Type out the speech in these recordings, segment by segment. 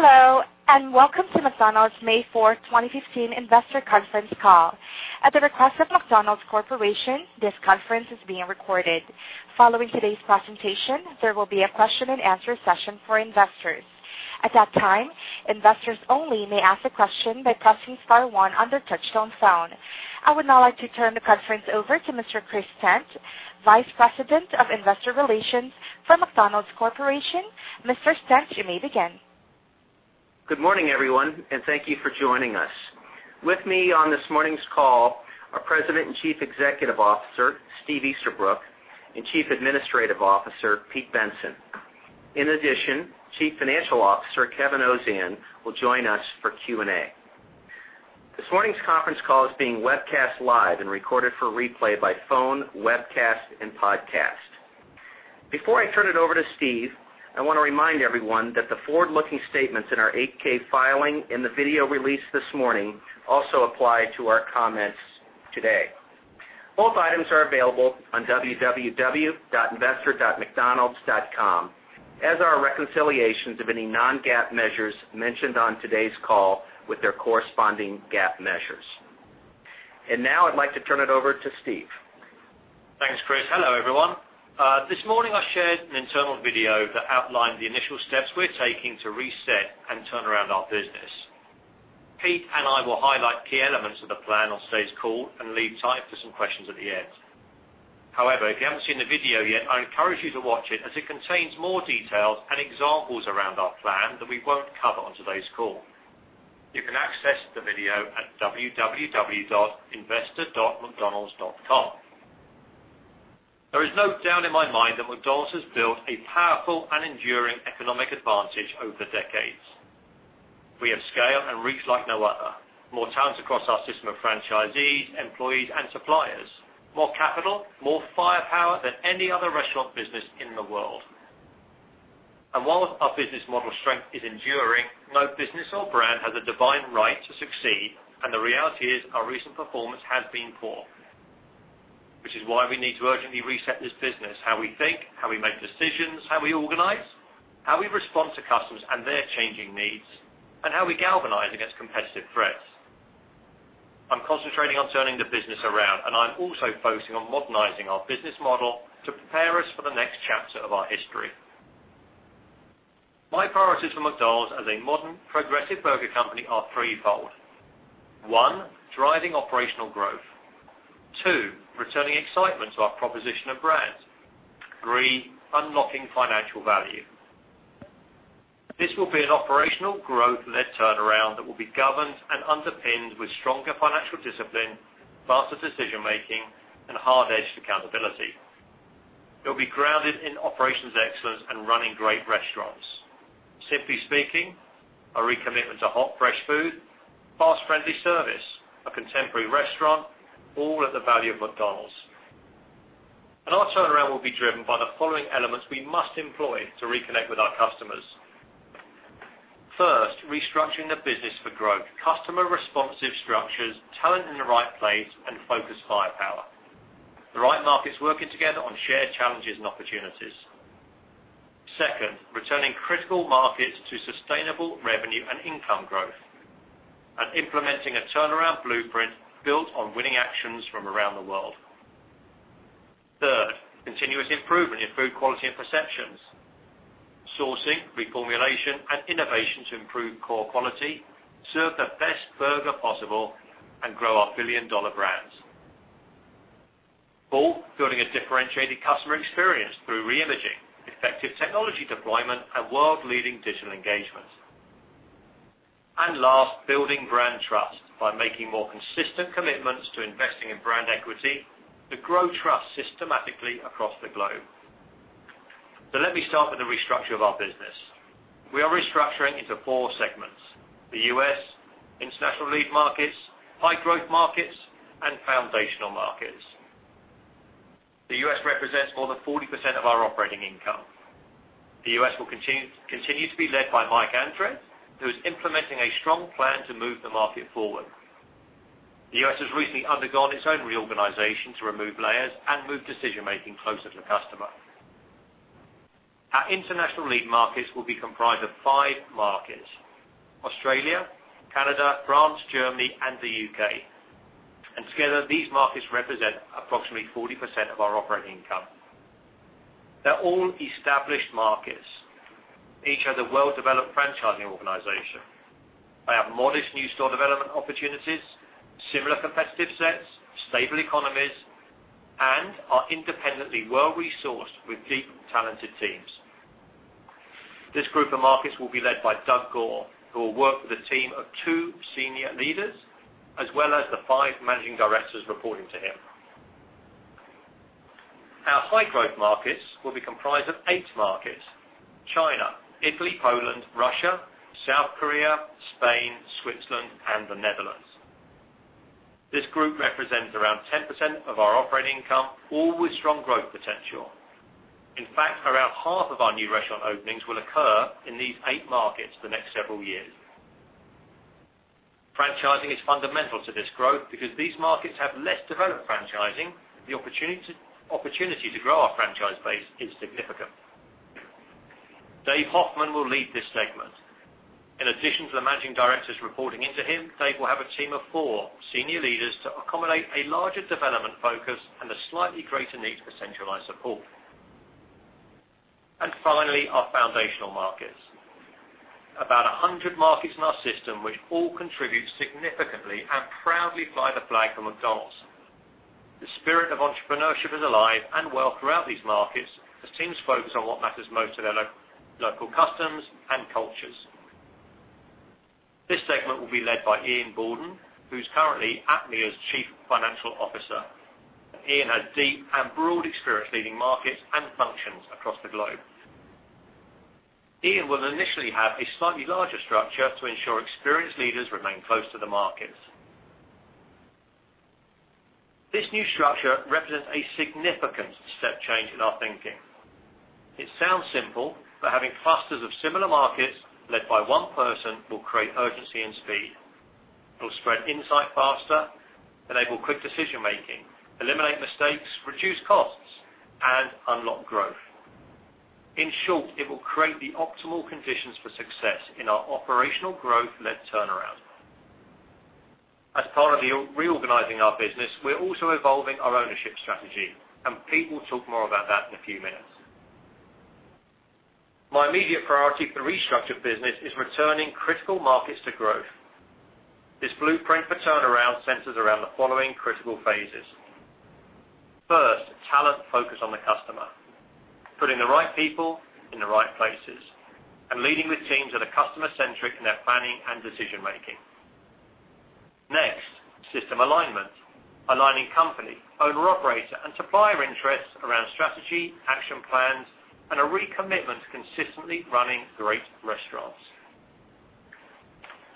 Hello, and welcome to McDonald's May 4th, 2015 investor conference call. At the request of McDonald's Corporation, this conference is being recorded. Following today's presentation, there will be a question and answer session for investors. At that time, investors only may ask a question by pressing star 1 on their touch-tone phone. I would now like to turn the conference over to Mr. Chris Stent, Vice President of Investor Relations for McDonald's Corporation. Mr. Stent, you may begin. Good morning, everyone, thank you for joining us. With me on this morning's call are President and Chief Executive Officer, Steve Easterbrook, and Chief Administrative Officer, Pete Bensen. In addition, Chief Financial Officer, Kevin Ozan, will join us for Q&A. This morning's conference call is being webcast live and recorded for replay by phone, webcast, and podcast. Before I turn it over to Steve, I want to remind everyone that the forward-looking statements in our 8-K filing and the video released this morning also apply to our comments today. Both items are available on www.investor.mcdonalds.com, as are reconciliations of any non-GAAP measures mentioned on today's call with their corresponding GAAP measures. Now I'd like to turn it over to Steve. Thanks, Chris. Hello, everyone. This morning I shared an internal video that outlined the initial steps we're taking to reset and turn around our business. Pete and I will highlight key elements of the plan on today's call and leave time for some questions at the end. However, if you haven't seen the video yet, I encourage you to watch it as it contains more details and examples around our plan that we won't cover on today's call. You can access the video at www.investor.mcdonalds.com. There is no doubt in my mind that McDonald's has built a powerful and enduring economic advantage over decades. We have scale and reach like no other. More talent across our system of franchisees, employees, and suppliers. More capital, more firepower than any other restaurant business in the world. While our business model strength is enduring, no business or brand has a divine right to succeed, and the reality is our recent performance has been poor. Which is why we need to urgently reset this business. How we think, how we make decisions, how we organize, how we respond to customers and their changing needs, and how we galvanize against competitive threats. I'm concentrating on turning the business around, and I'm also focusing on modernizing our business model to prepare us for the next chapter of our history. My priorities for McDonald's as a modern, progressive burger company are threefold. One, driving operational growth. Two, returning excitement to our proposition and brand. Three, unlocking financial value. This will be an operational, growth-led turnaround that will be governed and underpinned with stronger financial discipline, faster decision-making, and hard-edged accountability. It'll be grounded in operations excellence and running great restaurants. Simply speaking, a recommitment to hot, fresh food, fast, friendly service, a contemporary restaurant, all at the value of McDonald's. Our turnaround will be driven by the following elements we must employ to reconnect with our customers. First, restructuring the business for growth, customer-responsive structures, talent in the right place, and focused firepower. The right markets working together on shared challenges and opportunities. Second, returning critical markets to sustainable revenue and income growth, and implementing a turnaround blueprint built on winning actions from around the world. Third, continuous improvement in food quality and perceptions. Sourcing, reformulation, and innovation to improve core quality, serve the best burger possible, and grow our billion-dollar brands. Four, building a differentiated customer experience through reimaging, effective technology deployment, and world-leading digital engagement. Last, building brand trust by making more consistent commitments to investing in brand equity to grow trust systematically across the globe. Let me start with the restructure of our business. We are restructuring into four segments, the U.S., International Lead Markets, High Growth Markets, and Foundational Markets. The U.S. represents more than 40% of our operating income. The U.S. will continue to be led by Mike Andres, who is implementing a strong plan to move the market forward. The U.S. has recently undergone its own reorganization to remove layers and move decision-making closer to the customer. Our International Lead Markets will be comprised of five markets, Australia, Canada, France, Germany, and the U.K. Together, these markets represent approximately 40% of our operating income. They're all established markets. Each has a well-developed franchising organization. They have modest new store development opportunities, similar competitive sets, stable economies, and are independently well-resourced with deep, talented teams. This group of markets will be led by Doug Goare, who will work with a team of two senior leaders, as well as the five managing directors reporting to him. Our High Growth Markets will be comprised of eight markets, China, Italy, Poland, Russia, South Korea, Spain, Switzerland, and the Netherlands. This group represents around 10% of our operating income, all with strong growth potential. In fact, around half of our new restaurant openings will occur in these eight markets the next several years. Franchising is fundamental to this growth because these markets have less developed franchising. The opportunity to grow our franchise base is significant. Dave Hoffmann will lead this segment. In addition to the managing directors reporting into him, Dave will have a team of four senior leaders to accommodate a larger development focus and a slightly greater need for centralized support. Finally, our Foundational Markets. About 100 markets in our system which all contribute significantly and proudly fly the flag for McDonald's. The spirit of entrepreneurship is alive and well throughout these markets, as teams focus on what matters most to their local customs and cultures. This segment will be led by Ian Borden, who's currently at APMEA as chief financial officer. Ian has deep and broad experience leading markets and functions across the globe. Ian will initially have a slightly larger structure to ensure experienced leaders remain close to the markets. This new structure represents a significant step change in our thinking. It sounds simple, but having clusters of similar markets led by one person will create urgency and speed. It will spread insight faster, enable quick decision-making, eliminate mistakes, reduce costs, and unlock growth. In short, it will create the optimal conditions for success in our operational growth-led turnaround. As part of reorganizing our business, we're also evolving our ownership strategy. Pete will talk more about that in a few minutes. My immediate priority for the restructured business is returning critical markets to growth. This blueprint for turnaround centers around the following critical phases. First, talent focused on the customer, putting the right people in the right places, and leading with teams that are customer-centric in their planning and decision-making. Next, system alignment, aligning company, owner-operator, and supplier interests around strategy, action plans, and a recommitment to consistently running great restaurants.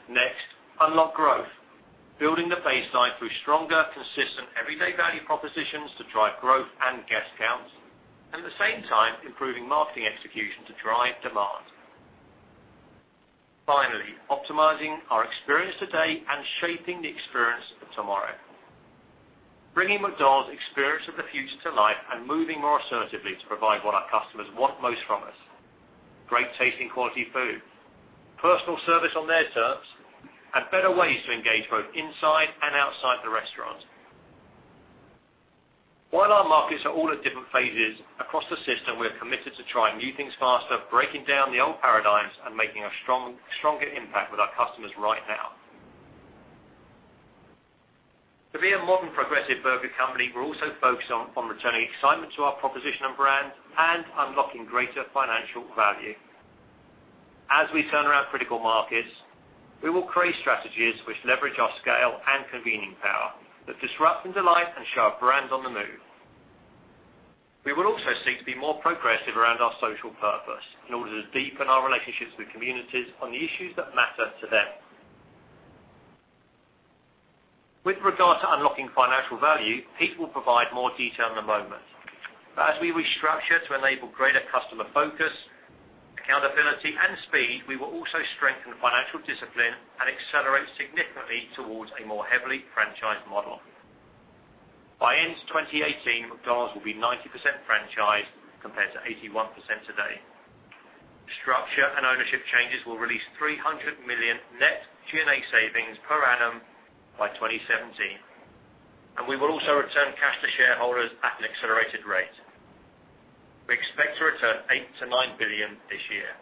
Next, unlock growth, building the base side through stronger, consistent, everyday value propositions to drive growth and guest counts. At the same time, improving marketing execution to drive demand. Finally, optimizing our experience today and shaping the experience of tomorrow. Bringing McDonald's experience of the future to life and moving more assertively to provide what our customers want most from us, great tasting quality food, personal service on their terms, and better ways to engage both inside and outside the restaurant. While our markets are all at different phases across the system, we are committed to trying new things faster, breaking down the old paradigms, and making a stronger impact with our customers right now. To be a modern progressive burger company, we're also focused on returning excitement to our proposition and brand and unlocking greater financial value. As we turn around critical markets, we will create strategies which leverage our scale and convening power that disrupt and delight and show our brand on the move. We will also seek to be more progressive around our social purpose in order to deepen our relationships with communities on the issues that matter to them. With regard to unlocking financial value, Pete will provide more detail in a moment. As we restructure to enable greater customer focus, accountability, and speed, we will also strengthen financial discipline and accelerate significantly towards a more heavily franchised model. By end of 2018, McDonald's will be 90% franchised compared to 81% today. Structure and ownership changes will release $300 million net G&A savings per annum by 2017. We will also return cash to shareholders at an accelerated rate. We expect to return $8 billion-$9 billion this year.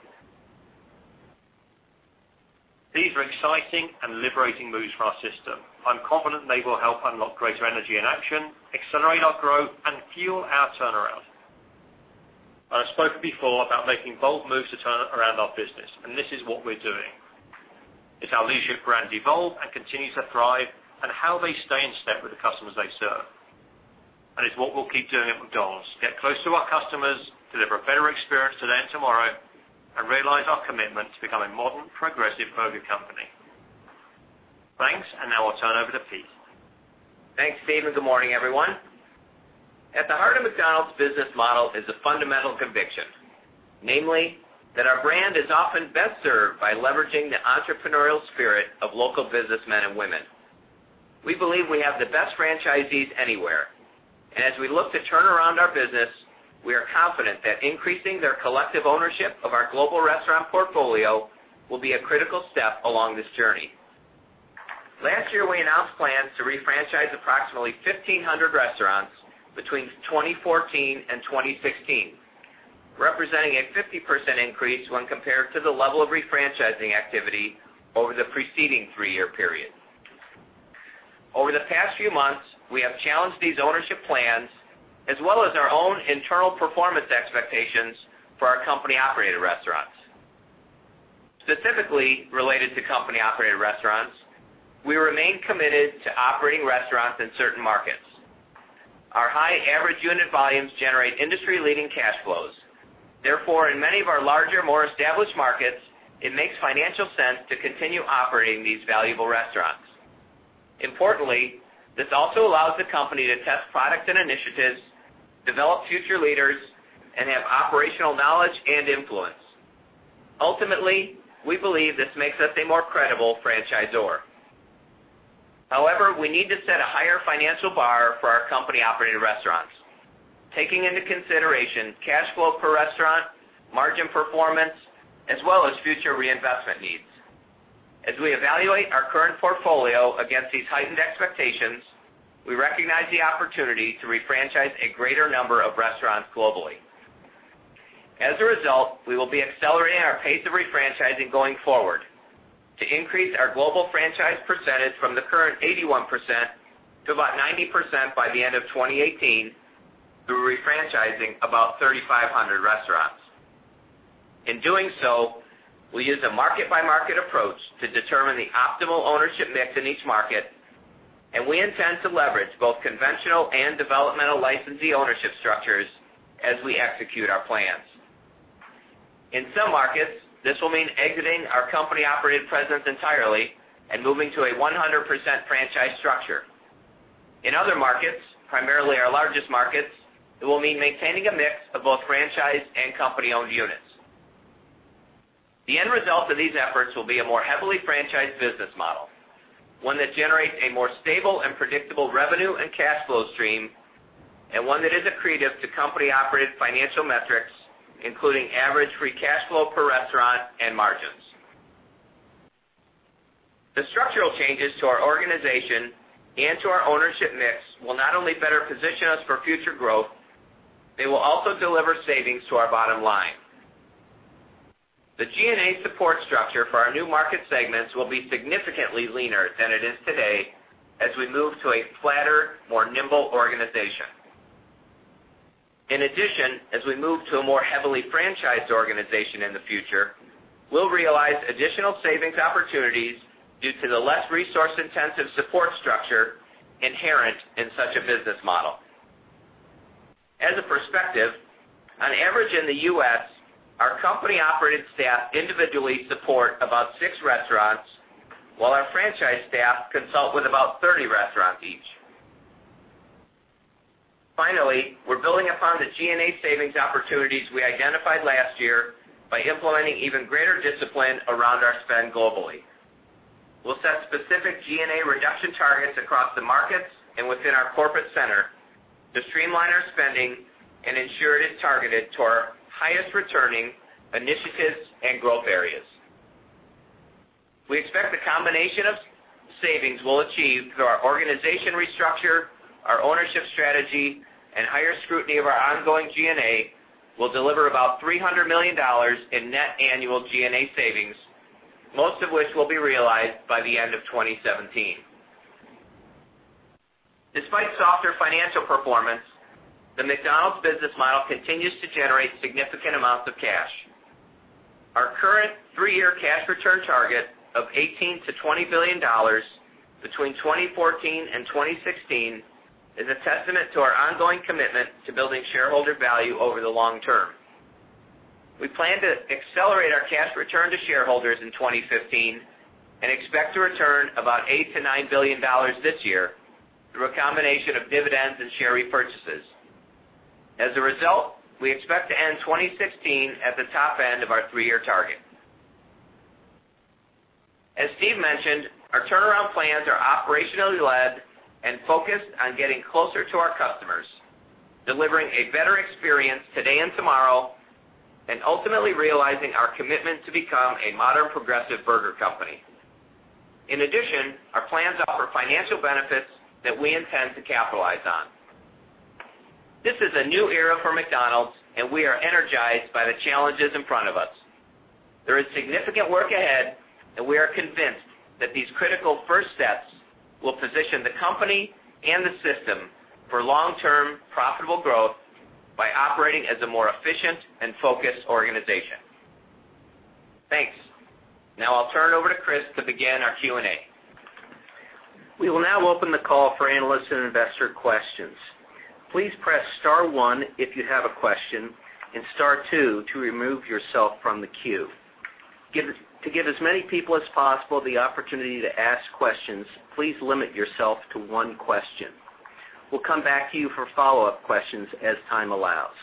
These are exciting and liberating moves for our system. I'm confident they will help unlock greater energy and action, accelerate our growth, and fuel our turnaround. I've spoken before about making bold moves to turn around our business, and this is what we're doing. It's how leadership brands evolve and continue to thrive, and how they stay in step with the customers they serve. It's what we'll keep doing at McDonald's, get close to our customers, deliver a better experience today and tomorrow, and realize our commitment to becoming a modern, progressive burger company. Thanks. Now I'll turn over to Pete. Thanks, Steve. Good morning, everyone. At the heart of McDonald's business model is a fundamental conviction, namely that our brand is often best served by leveraging the entrepreneurial spirit of local businessmen and women. We believe we have the best franchisees anywhere. As we look to turn around our business, we are confident that increasing their collective ownership of our global restaurant portfolio will be a critical step along this journey. Last year, we announced plans to refranchise approximately 1,500 restaurants between 2014 and 2016, representing a 50% increase when compared to the level of refranchising activity over the preceding three-year period. Over the past few months, we have challenged these ownership plans as well as our own internal performance expectations for our company-operated restaurants. Specifically related to company-operated restaurants, we remain committed to operating restaurants in certain markets. Our high average unit volumes generate industry-leading cash flows. In many of our larger, more established markets, it makes financial sense to continue operating these valuable restaurants. Importantly, this also allows the company to test products and initiatives, develop future leaders, and have operational knowledge and influence. Ultimately, we believe this makes us a more credible franchisor. However, we need to set a higher financial bar for our company-operated restaurants, taking into consideration cash flow per restaurant, margin performance, as well as future reinvestment needs. As we evaluate our current portfolio against these heightened expectations, we recognize the opportunity to refranchise a greater number of restaurants globally. As a result, we will be accelerating our pace of refranchising going forward to increase our global franchise percentage from the current 81% to about 90% by the end of 2018 through refranchising about 3,500 restaurants. We use a market-by-market approach to determine the optimal ownership mix in each market. We intend to leverage both conventional and developmental licensee ownership structures as we execute our plans. In some markets, this will mean exiting our company-operated presence entirely and moving to a 100% franchise structure. In other markets, primarily our largest markets, it will mean maintaining a mix of both franchise and company-owned units. The end result of these efforts will be a more heavily franchised business model, one that generates a more stable and predictable revenue and cash flow stream, and one that is accretive to company-operated financial metrics, including average free cash flow per restaurant and margins. The structural changes to our organization and to our ownership mix will not only better position us for future growth, they will also deliver savings to our bottom line. The G&A support structure for our new market segments will be significantly leaner than it is today as we move to a flatter, more nimble organization. In addition, as we move to a more heavily franchised organization in the future, we'll realize additional savings opportunities due to the less resource-intensive support structure inherent in such a business model. As a perspective, on average in the U.S., our company-operated staff individually support about six restaurants, while our franchise staff consult with about 30 restaurants each. Finally, we're building upon the G&A savings opportunities we identified last year by implementing even greater discipline around our spend globally. We'll set specific G&A reduction targets across the markets and within our corporate center to streamline our spending and ensure it is targeted to our highest returning initiatives and growth areas. We expect the combination of savings we'll achieve through our organization restructure, our ownership strategy, and higher scrutiny of our ongoing G&A will deliver about $300 million in net annual G&A savings, most of which will be realized by the end of 2017. Despite softer financial performance, the McDonald's business model continues to generate significant amounts of cash. Our current three-year cash return target of $18 billion-$20 billion between 2014 and 2016 is a testament to our ongoing commitment to building shareholder value over the long term. We plan to accelerate our cash return to shareholders in 2015 and expect to return about $8 billion-$9 billion this year through a combination of dividends and share repurchases. As a result, we expect to end 2016 at the top end of our three-year target. As Steve mentioned, our turnaround plans are operationally led and focused on getting closer to our customers, delivering a better experience today and tomorrow, and ultimately realizing our commitment to become a modern, progressive burger company. In addition, our plans offer financial benefits that we intend to capitalize on. This is a new era for McDonald's, and we are energized by the challenges in front of us. There is significant work ahead, and we are convinced that these critical first steps will position the company and the system for long-term profitable growth by operating as a more efficient and focused organization. Thanks. Now I'll turn it over to Chris to begin our Q&A. We will now open the call for analyst and investor questions. Please press star one if you have a question and star two to remove yourself from the queue. To give as many people as possible the opportunity to ask questions, please limit yourself to one question. We'll come back to you for follow-up questions as time allows.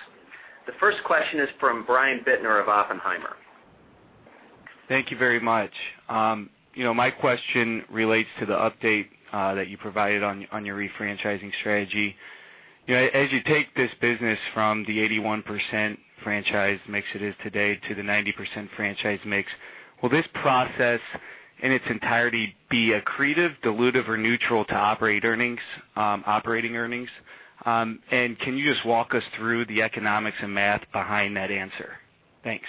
The first question is from Brian Bittner of Oppenheimer. Thank you very much. My question relates to the update that you provided on your refranchising strategy. As you take this business from the 81% franchise mix it is today to the 90% franchise mix, will this process in its entirety be accretive, dilutive, or neutral to operate earnings, operating earnings? Can you just walk us through the economics and math behind that answer? Thanks.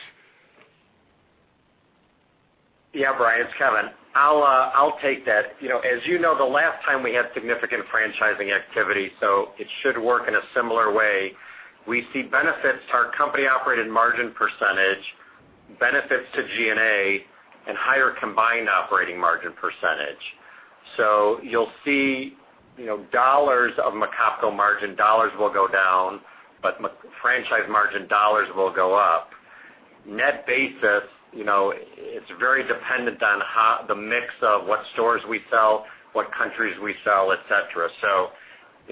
Yeah, Brian, it's Kevin. I'll take that. As you know, the last time we had significant franchising activity, it should work in a similar way. We see benefits to our company-operated margin percentage, benefits to G&A, and higher combined operating margin percentage. Dollars of McOpCo margin dollars will go down, franchise margin dollars will go up. Net basis, it's very dependent on the mix of what stores we sell, what countries we sell, et cetera.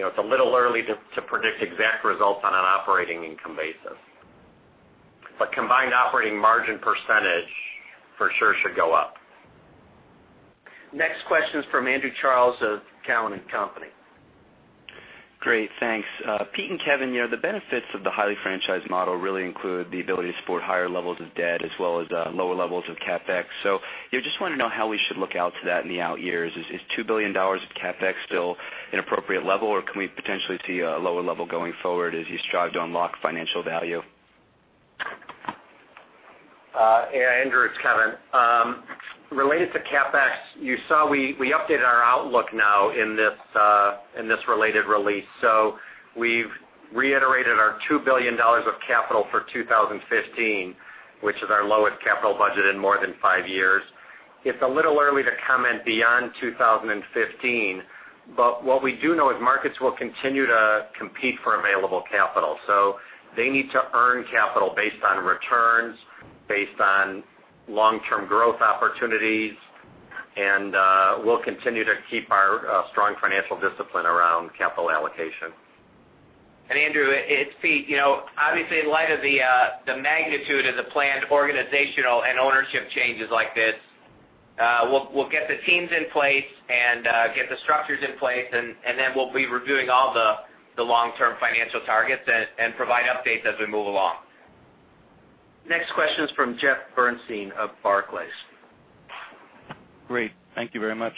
It's a little early to predict exact results on an operating income basis. Combined operating margin percentage for sure should go up. Next question is from Andrew Charles of Cowen and Company. Great, thanks. Pete and Kevin, the benefits of the highly franchised model really include the ability to support higher levels of debt as well as lower levels of CapEx. Just wanted to know how we should look out to that in the out years. Is $2 billion of CapEx still an appropriate level, or can we potentially see a lower level going forward as you strive to unlock financial value? Yeah, Andrew, it's Kevin. Related to CapEx, you saw we updated our outlook now in this related release. We've reiterated our $2 billion of capital for 2015, which is our lowest capital budget in more than five years. It's a little early to comment beyond 2015, what we do know is markets will continue to compete for available capital. They need to earn capital based on returns, based on long-term growth opportunities, and we'll continue to keep our strong financial discipline around capital allocation. Andrew, it's Pete. Obviously, in light of the magnitude of the planned organizational and ownership changes like this, we'll get the teams in place and get the structures in place, we'll be reviewing all the long-term financial targets and provide updates as we move along. Next question is from Jeffrey Bernstein of Barclays. Great. Thank you very much.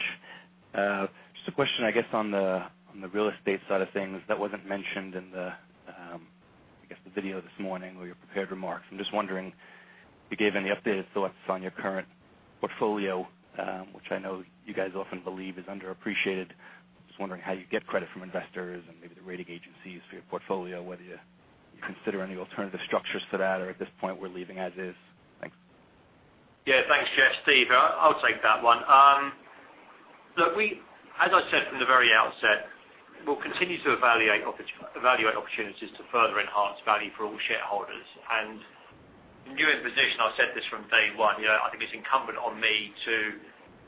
Just a question, I guess, on the real estate side of things that wasn't mentioned in the video this morning or your prepared remarks. I'm just wondering if you gave any updated thoughts on your current portfolio, which I know you guys often believe is underappreciated. I'm just wondering how you get credit from investors and maybe the rating agencies for your portfolio, whether you consider any alternative structures to that, at this point, we're leaving as is. Thanks. Yeah, thanks, Jeff. Steve, I'll take that one. Look, as I said from the very outset, we'll continue to evaluate opportunities to further enhance value for all shareholders. New in position, I said this from day one. I think it's incumbent on me to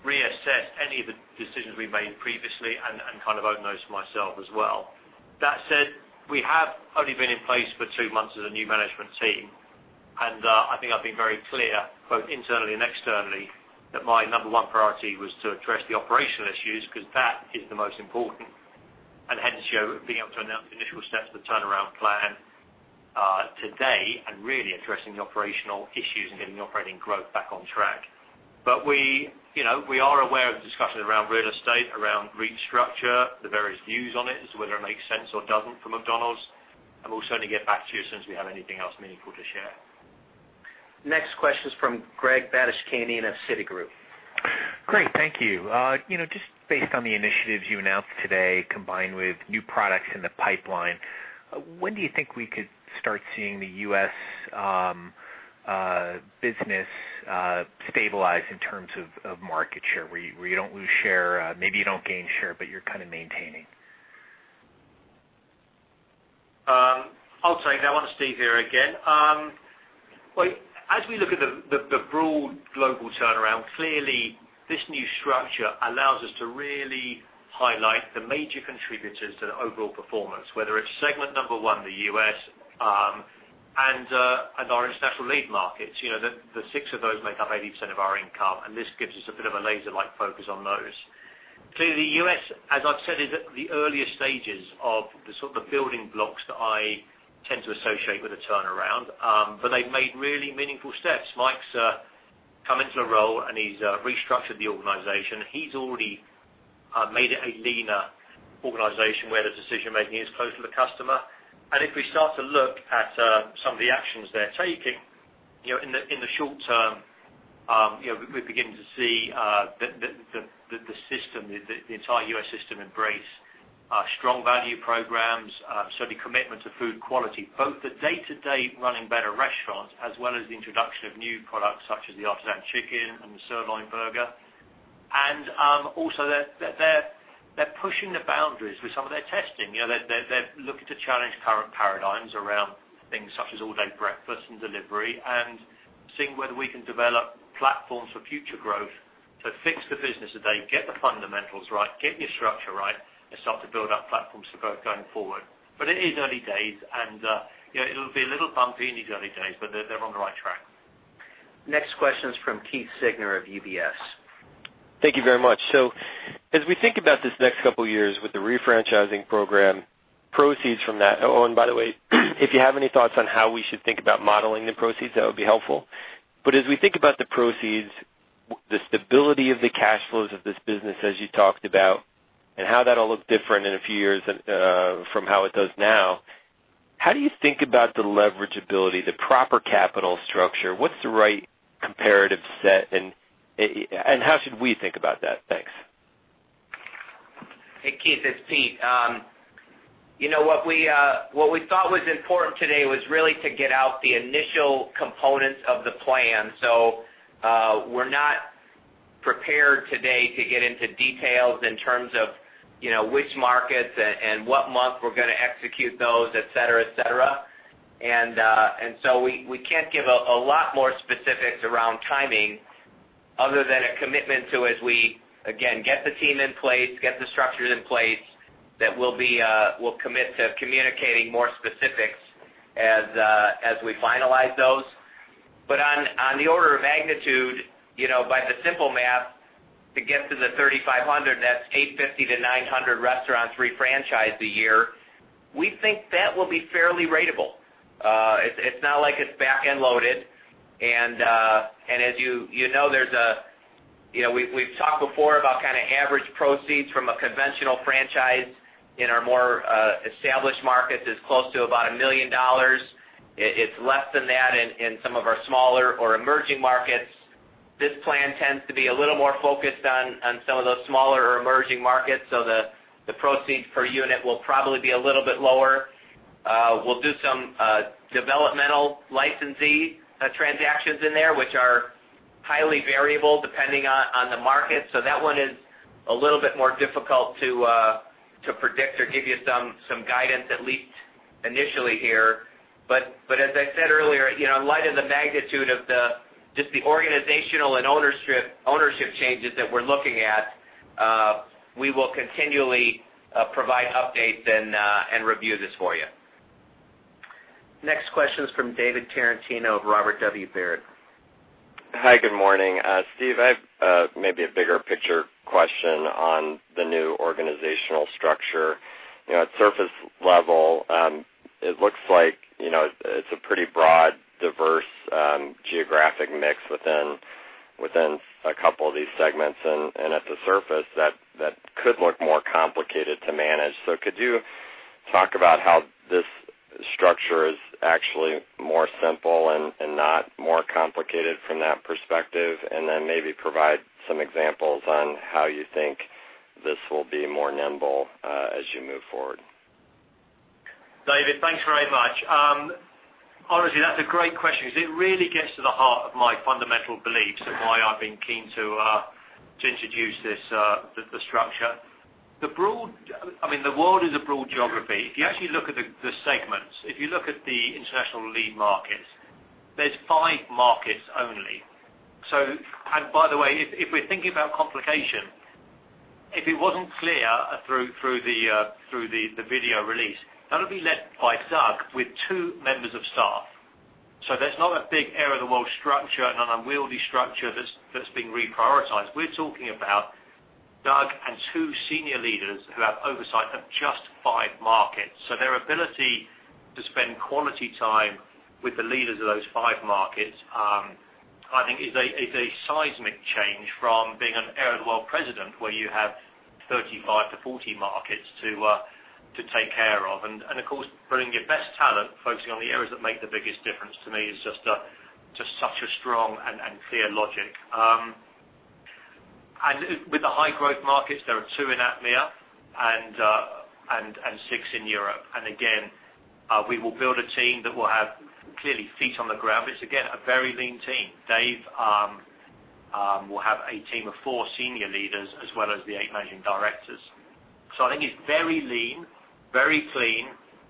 reassess any of the decisions we made previously and kind of own those for myself as well. That said, we have only been in place for two months as a new management team, and I think I've been very clear, both internally and externally, that my number one priority was to address the operational issues because that is the most important, and hence, being able to announce initial steps of the turnaround plan today and really addressing the operational issues and getting the operating growth back on track. We are aware of the discussion around real estate, around restructure, the various views on it as to whether it makes sense or doesn't for McDonald's. We'll certainly get back to you as soon as we have anything else meaningful to share. Next question is from Greg Badishkanian of Citigroup. Great. Thank you. Just based on the initiatives you announced today, combined with new products in the pipeline, when do you think we could start seeing the U.S. business stabilize in terms of market share, where you don't lose share, maybe you don't gain share, but you're kind of maintaining? I'll take that one, Steve, here again. We look at the broad global turnaround, clearly this new structure allows us to really highlight the major contributors to the overall performance, whether it's segment number one, the U.S., and our international lead markets. The six of those make up 80% of our income, and this gives us a bit of a laser-like focus on those. Clearly, U.S., as I've said, is at the earliest stages of the sort of building blocks that I tend to associate with a turnaround. They've made really meaningful steps. Mike's come into the role and he's restructured the organization. He's already made it a leaner organization where the decision-making is closer to the customer. If we start to look at some of the actions they're taking, in the short term we're beginning to see the entire U.S. system embrace strong value programs. The commitment to food quality, both the day-to-day running better restaurants as well as the introduction of new products such as the artisan chicken and the sirloin burger. Also they're pushing the boundaries with some of their testing. They're looking to challenge current paradigms around things such as all-day breakfast and delivery and seeing whether we can develop platforms for future growth to fix the business today, get the fundamentals right, get your structure right, and start to build out platforms for growth going forward. It is early days, and it'll be a little bumpy in these early days, but they're on the right track. Next question is from Keith Siegner of UBS. Thank you very much. As we think about this next couple of years with the refranchising program, proceeds from that, and by the way, if you have any thoughts on how we should think about modeling the proceeds, that would be helpful. As we think about the proceeds, the stability of the cash flows of this business as you talked about, and how that'll look different in a few years from how it does now, how do you think about the leverage ability, the proper capital structure? What's the right comparative set, and how should we think about that? Thanks. Hey, Keith, it's Pete. What we thought was important today was really to get out the initial components of the plan. We're not prepared today to get into details in terms of which markets and what month we're going to execute those, et cetera. We can't give a lot more specifics around timing other than a commitment to as we, again, get the team in place, get the structures in place, that we'll commit to communicating more specifics as we finalize those. On the order of magnitude, by the simple math, to get to the 3,500, that's 850 to 900 restaurants re-franchised a year. We think that will be fairly ratable. It's not like it's back-end loaded. As you know, we've talked before about average proceeds from a conventional franchise in our more established markets is close to about $1 million. It's less than that in some of our smaller or emerging markets. This plan tends to be a little more focused on some of those smaller or emerging markets. The proceeds per unit will probably be a little bit lower. We'll do some developmental licensee transactions in there, which are highly variable depending on the market. That one is a little bit more difficult to predict or give you some guidance, at least initially here. As I said earlier, in light of the magnitude of just the organizational and ownership changes that we're looking at, we will continually provide updates and review this for you. Next question is from David Tarantino of Robert W. Baird. Hi, good morning. Steve, I have maybe a bigger picture question on the new organizational structure. At surface level, it looks like it's a pretty broad, diverse geographic mix within a couple of these segments. At the surface, that could look more complicated to manage. Could you talk about how this structure is actually more simple and not more complicated from that perspective, and then maybe provide some examples on how you think this will be more nimble as you move forward? David, thanks very much. Honestly, that's a great question because it really gets to the heart of my fundamental beliefs of why I've been keen to introduce this structure. The world is a broad geography. If you actually look at the segments, if you look at the international lead markets, there's five markets only. By the way, if we're thinking about complication, if it wasn't clear through the video release, that'll be led by Doug with two members of staff. There's not a big area of the world structure, not an unwieldy structure that's being reprioritized. We're talking about Doug and two senior leaders who have oversight of just five markets. Their ability to spend quality time with the leaders of those five markets, I think is a seismic change from being an area of the world president, where you have 35-40 markets to take care of. Of course, bringing your best talent, focusing on the areas that make the biggest difference to me is just such a strong and clear logic. With the high growth markets, there are two in APMEA and six in Europe. Again, we will build a team that will have clearly feet on the ground, but it's again, a very lean team. Dave will have a team of four senior leaders as well as the eight managing directors. I think it's very lean, very clean.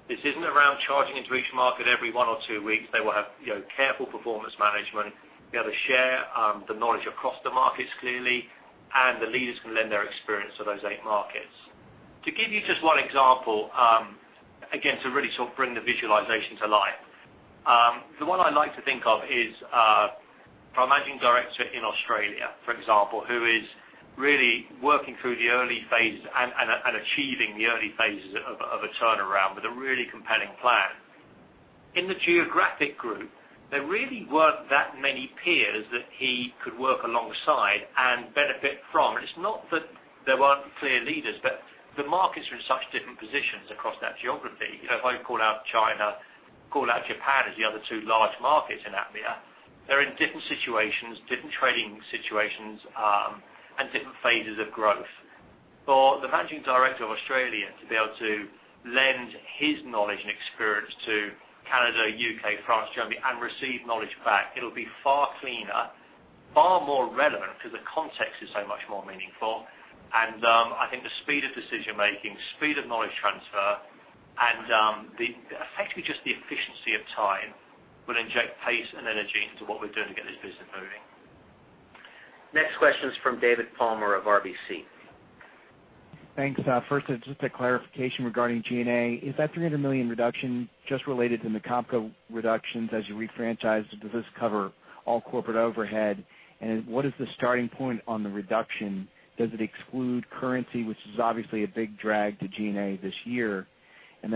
This isn't around charging into each market every one or two weeks. They will have careful performance management, be able to share the knowledge across the markets clearly, and the leaders can lend their experience to those eight markets. To give you just one example, again, to really sort of bring the visualization to life. The one I like to think of is for a managing director in Australia, for example, who is really working through the early phases and achieving the early phases of a turnaround with a really compelling plan. In the geographic group, there really weren't that many peers that he could work alongside and benefit from. It's not that there weren't clear leaders, but the markets are in such different positions across that geography. If I call out China, call out Japan as the other two large markets in APMEA, they're in different situations, different trading situations, and different phases of growth. For the managing director of Australia to be able to lend his knowledge and experience to Canada, U.K., France, Germany, and receive knowledge back, it'll be far cleaner, far more relevant because the context is so much more meaningful. I think the speed of decision-making, speed of knowledge transfer, and effectively just the efficiency of time will inject pace and energy into what we're doing to get this business moving. Next question is from David Palmer of RBC. Thanks. First, just a clarification regarding G&A. Is that $300 million reduction just related to the McOpCo reductions as you re-franchise? Does this cover all corporate overhead? What is the starting point on the reduction? Does it exclude currency, which is obviously a big drag to G&A this year?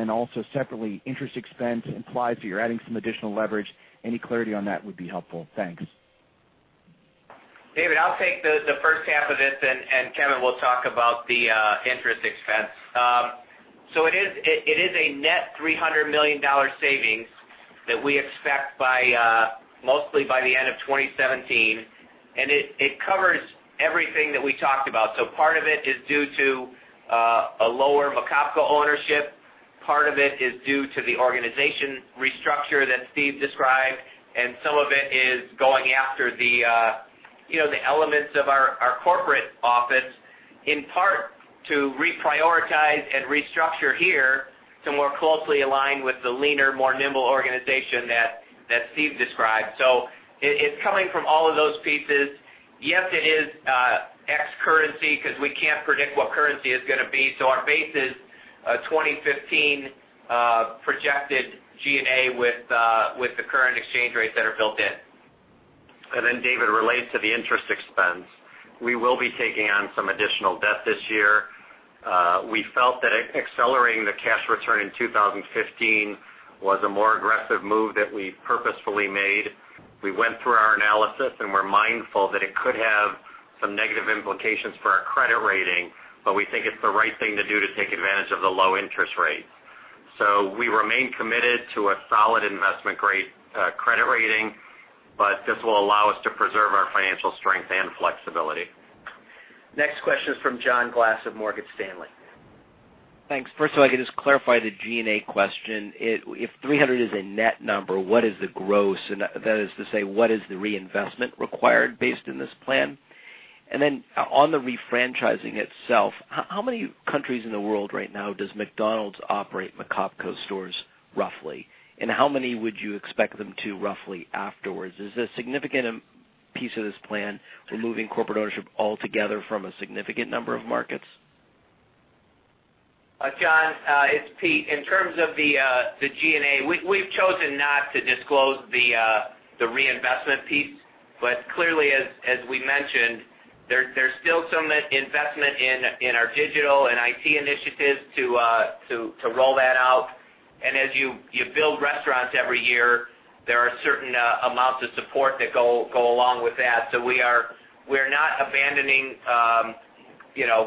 Also separately, interest expense implies that you're adding some additional leverage. Any clarity on that would be helpful. Thanks. David, I'll take the first half of this and Kevin will talk about the interest expense. It is a net $300 million savings that we expect mostly by the end of 2017. It covers everything that we talked about. Part of it is due to a lower McOpCo ownership. Part of it is due to the organization restructure that Steve Easterbrook described, some of it is going after the elements of our corporate office, in part to reprioritize and restructure here to more closely align with the leaner, more nimble organization that Steve Easterbrook described. It's coming from all of those pieces. Yes, it is X currency, because we can't predict what currency is going to be. Our base is a 2015 projected G&A with the current exchange rates that are built in. David, related to the interest expense, we will be taking on some additional debt this year. We felt that accelerating the cash return in 2015 was a more aggressive move that we purposefully made. We went through our analysis, we're mindful that it could have some negative implications for our credit rating, we think it's the right thing to do to take advantage of the low interest rates. We remain committed to a solid investment grade credit rating, this will allow us to preserve our financial strength and flexibility. Next question is from John Glass of Morgan Stanley. Thanks. First of all, I could just clarify the G&A question. If $300 is a net number, what is the gross? That is to say, what is the reinvestment required based in this plan? On the refranchising itself, how many countries in the world right now does McDonald's operate McOpCo stores roughly? How many would you expect them to roughly afterwards? Is a significant piece of this plan removing corporate ownership altogether from a significant number of markets? John, it's Pete. In terms of the G&A, we've chosen not to disclose the reinvestment piece. Clearly, as we mentioned, there's still some investment in our digital and IT initiatives to roll that out. As you build restaurants every year, there are certain amounts of support that go along with that. We're not abandoning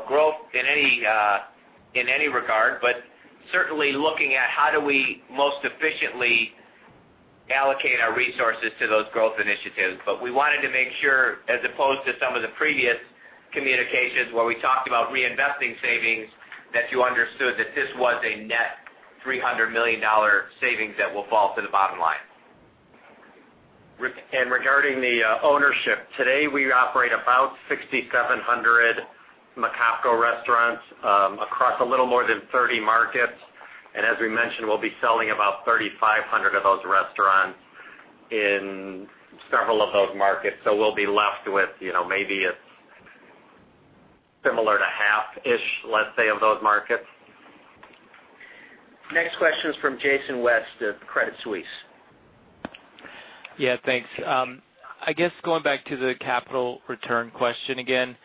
growth in any regard. Certainly looking at how do we most efficiently allocate our resources to those growth initiatives. We wanted to make sure, as opposed to some of the previous communications where we talked about reinvesting savings, that you understood that this was a net $300 million savings that will fall to the bottom line. Regarding the ownership, today, we operate about 6,700 McOpCo restaurants across a little more than 30 markets. As we mentioned, we'll be selling about 3,500 of those restaurants in several of those markets. So we'll be left with maybe a similar to half-ish, let's say, of those markets. Next question is from Jason West of Credit Suisse. Yeah, thanks. I guess going back to the capital return question again.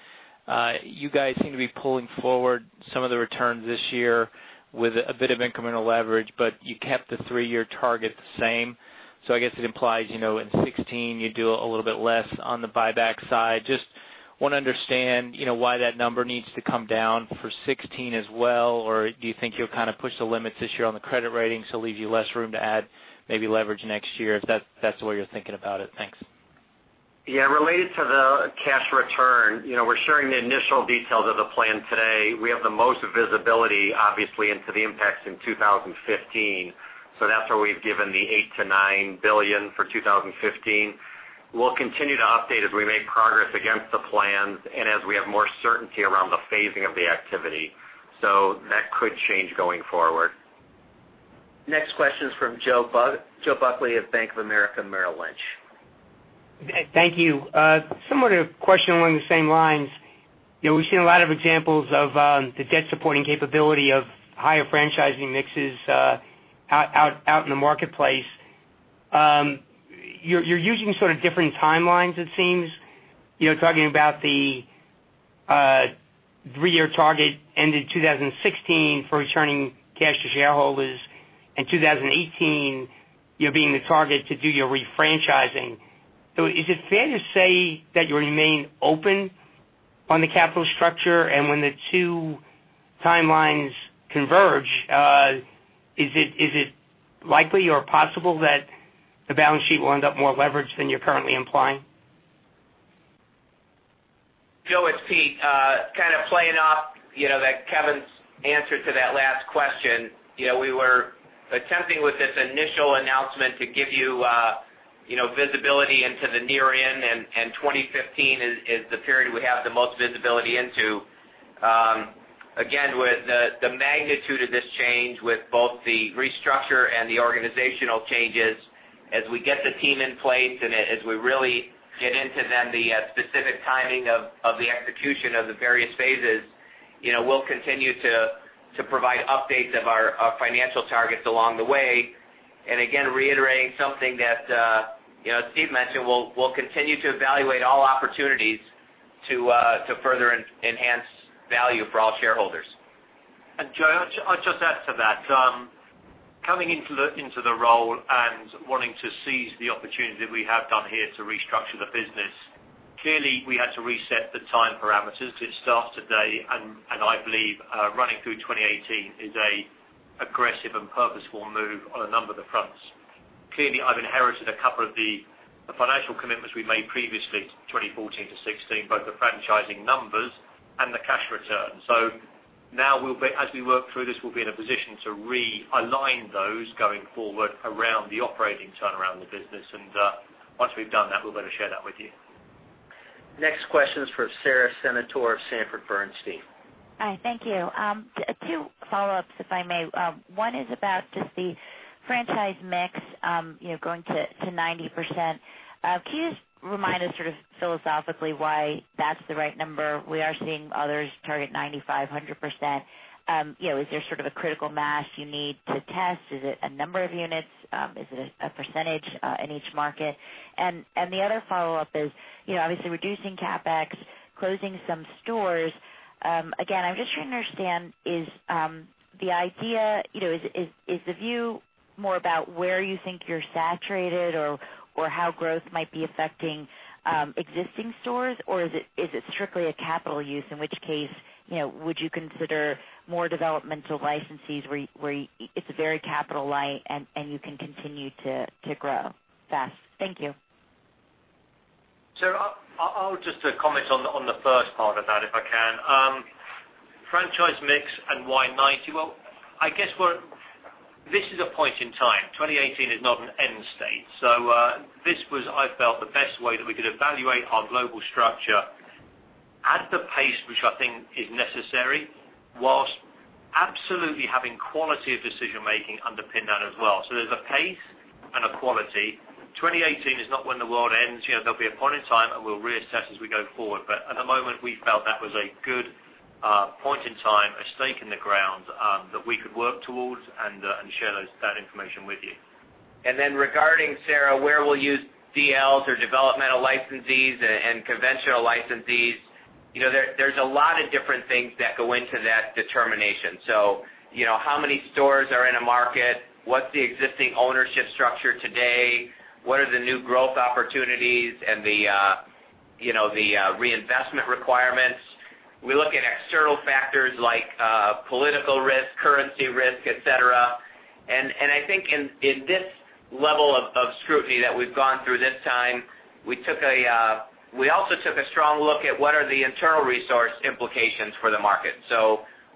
You guys seem to be pulling forward some of the returns this year with a bit of incremental leverage, but you kept the three-year target the same. I guess it implies, in 2016, you do a little bit less on the buyback side. Just want to understand why that number needs to come down for 2016 as well, or do you think you'll kind of push the limits this year on the credit rating, so leave you less room to add maybe leverage next year, if that's the way you're thinking about it? Thanks. Yeah. Related to the cash return, we're sharing the initial details of the plan today. We have the most visibility, obviously, into the impacts in 2015, so that's why we've given the $8 billion-$9 billion for 2015. We'll continue to update as we make progress against the plans and as we have more certainty around the phasing of the activity. That could change going forward. Next question is from Joe Buckley of Bank of America Merrill Lynch. Thank you. Somewhat of a question along the same lines. We've seen a lot of examples of the debt supporting capability of higher franchising mixes out in the marketplace. You're using sort of different timelines it seems, talking about the three-year target ended 2016 for returning cash to shareholders. In 2018, you being the target to do your refranchising. Is it fair to say that you remain open on the capital structure? When the two timelines converge, is it likely or possible that the balance sheet will end up more leveraged than you're currently implying? Joe, it's Pete. Kind of playing off Kevin's answer to that last question. We were attempting with this initial announcement to give you visibility into the near end. 2015 is the period we have the most visibility into. Again, with the magnitude of this change with both the restructure and the organizational changes, as we get the team in place and as we really get into then the specific timing of the execution of the various phases, we'll continue to provide updates of our financial targets along the way. Again, reiterating something that Steve mentioned, we'll continue to evaluate all opportunities to further enhance value for all shareholders. Joe, I'll just add to that. Coming into the role and wanting to seize the opportunity that we have done here to restructure the business, clearly, we had to reset the time parameters to start today, I believe running through 2018 is an aggressive and purposeful move on a number of the fronts. Clearly, I've inherited a couple of the financial commitments we made previously to 2014-2016, both the franchising numbers and the cash returns. Now, as we work through this, we'll be in a position to realign those going forward around the operating turnaround of the business. Once we've done that, we're going to share that with you. Next question is from Sara Senatore of Sanford C. Bernstein. Hi, thank you. Two follow-ups, if I may. One is about just the franchise mix, going to 90%. Can you just remind us sort of philosophically why that's the right number? We are seeing others target 95%, 100%. Is there sort of a critical mass you need to test? Is it a number of units? Is it a percentage, in each market? The other follow-up is, obviously reducing CapEx, closing some stores. Again, I'm just trying to understand, is the idea, is the view more about where you think you're saturated or how growth might be affecting existing stores? Or is it strictly a capital use? In which case, would you consider more developmental licensees where it's very capital light and you can continue to grow fast? Thank you. Sara, I'll just comment on the first part of that, if I can. Franchise mix and why 90? Well, I guess this is a point in time. 2018 is not an end state. This was, I felt, the best way that we could evaluate our global structure at the pace which I think is necessary, whilst absolutely having quality of decision making underpin that as well. There's a pace and a quality. 2018 is not when the world ends. There'll be a point in time and we'll reassess as we go forward. At the moment, we felt that was a good point in time, a stake in the ground that we could work towards and share that information with you. Regarding, Sara, where we'll use DLs or developmental licensees and conventional licensees. There's a lot of different things that go into that determination. How many stores are in a market? What's the existing ownership structure today? What are the new growth opportunities and the reinvestment requirements? We look at external factors like political risk, currency risk, et cetera. I think in this level of scrutiny that we've gone through this time, we also took a strong look at what are the internal resource implications for the market.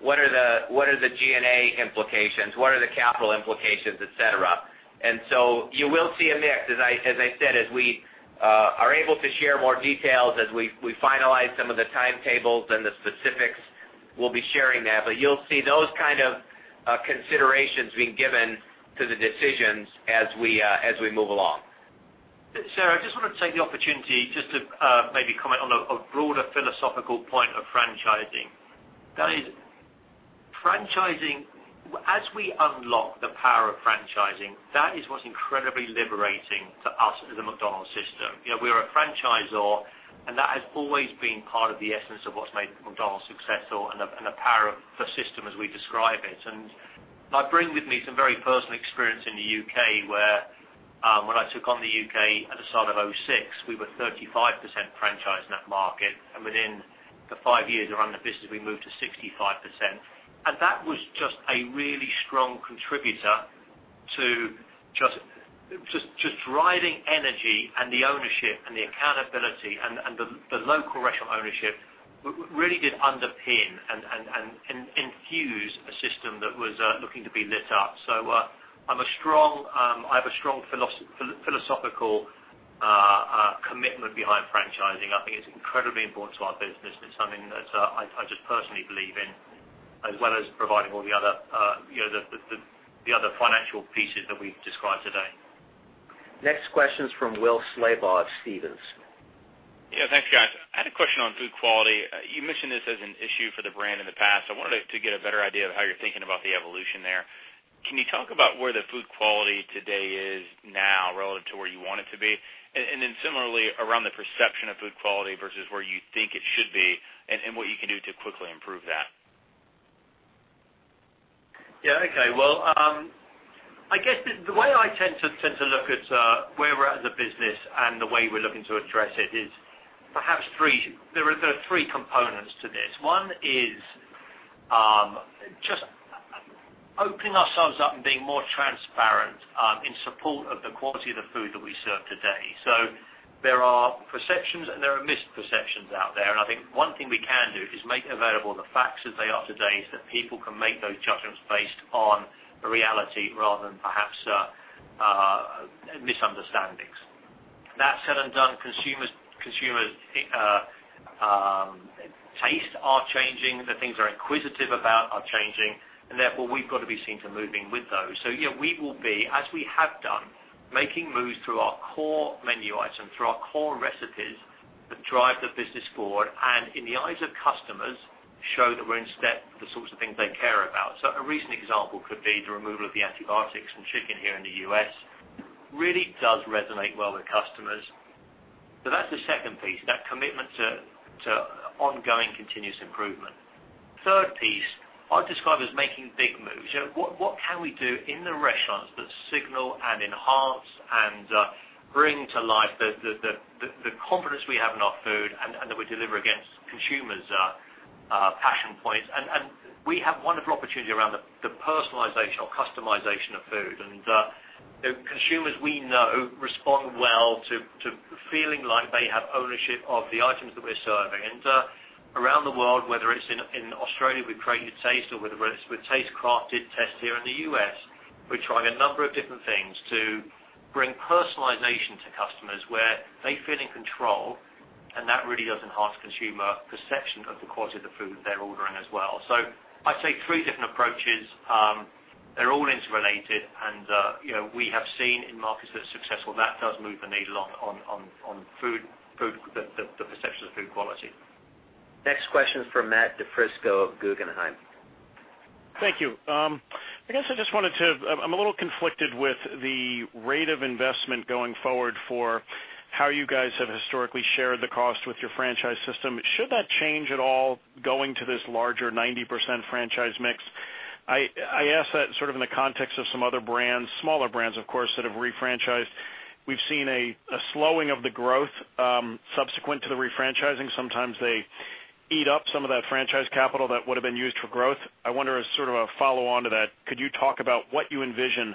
What are the G&A implications? What are the capital implications, et cetera? You will see a mix, as I said, as we are able to share more details, as we finalize some of the timetables and the specifics, we'll be sharing that. You'll see those kind of considerations being given to the decisions as we move along. Sara, I just want to take the opportunity just to maybe comment on a broader philosophical point of franchising. That is, as we unlock the power of franchising, that is what's incredibly liberating to us as a McDonald's system. We're a franchisor, and that has always been part of the essence of what's made McDonald's successful and the power of the system as we describe it. I bring with me some very personal experience in the U.K., where when I took on the U.K. at the start of 2006, we were 35% franchised in that market. Within the five years of running the business, we moved to 65%. That was just a really strong contributor to just driving energy and the ownership and the accountability and the local restaurant ownership really did underpin and infuse a system that was looking to be lit up. I have a strong philosophical commitment behind franchising. I think it's incredibly important to our business. It's something that I just personally believe in, as well as providing all the other financial pieces that we've described today. Next question is from Will Slabaugh of Stephens. Yeah, thanks, guys. I had a question on food quality. You mentioned this as an issue for the brand in the past. I wanted to get a better idea of how you're thinking about the evolution there. Can you talk about where the food quality today is now relative to where you want it to be? Similarly, around the perception of food quality versus where you think it should be and what you can do to quickly improve that. Yeah. Okay. Well, I guess the way I tend to look at where we're at as a business and the way we're looking to address it is perhaps there are three components to this. One is just opening ourselves up and being more transparent in support of the quality of the food that we serve today. There are perceptions and there are misperceptions out there. I think one thing we can do is make available the facts as they are today, so that people can make those judgments based on reality rather than perhaps misunderstandings. That said and done, consumers' tastes are changing. The things they're inquisitive about are changing. Therefore, we've got to be seen to moving with those. Yeah, we will be, as we have done, making moves through our core menu items, through our core recipes that drive the business forward, and in the eyes of customers, show that we're in step with the sorts of things they care about. A recent example could be the removal of the antibiotics from chicken here in the U.S. Really does resonate well with customers. That's the second piece, that commitment to ongoing continuous improvement. Third piece I'll describe as making big moves. What can we do in the restaurants that signal and enhance and bring to life the confidence we have in our food and that we deliver against consumers points, we have wonderful opportunity around the personalization or customization of food. Consumers we know respond well to feeling like they have ownership of the items that we're serving. Around the world, whether it's in Australia with Create Your Taste or whether it's with TasteCrafted test here in the U.S., we're trying a number of different things to bring personalization to customers where they feel in control, and that really does enhance consumer perception of the quality of the food they're ordering as well. So I'd say three different approaches. They're all interrelated and we have seen in markets that are successful, that does move the needle on the perception of food quality. Next question from Matthew DiFrisco of Guggenheim. Thank you. I'm a little conflicted with the rate of investment going forward for how you guys have historically shared the cost with your franchise system. Should that change at all going to this larger 90% franchise mix? I ask that sort of in the context of some other brands, smaller brands, of course, that have refranchised. We've seen a slowing of the growth, subsequent to the refranchising. Sometimes they eat up some of that franchise capital that would've been used for growth. I wonder as sort of a follow-on to that, could you talk about what you envision